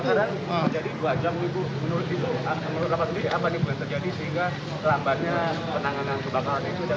menurut kapas udi apa ini boleh terjadi sehingga lambatnya penanganan kebawahan ini